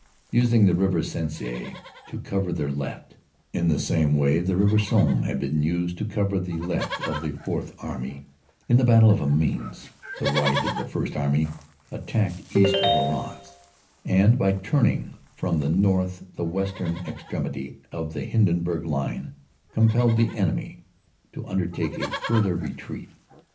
Using the river Sensee to cover their left, in the same way as the River Somme had been used to cover the left of the Fourth Army in the Battle of Amiens, the right of the First Army attacked east of Arras, and by turning from the north the west ern extremity of the Hindenburg Line compelled the enemy to undertake a further retreat.